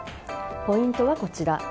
ポイントはこちら。